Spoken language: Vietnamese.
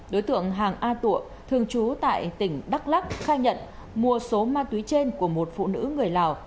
đối tượng hàng a tụa thường trú tại tỉnh đắk lắc khai nhận mua số ma túy trên của một phụ nữ người lào